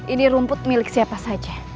ini rumput milik siapa saja